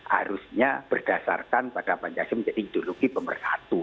harusnya berdasarkan pada pancasila menjadi ideologi pemersatu